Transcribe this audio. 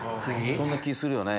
そんな気するよね。